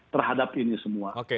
terhadap ini semua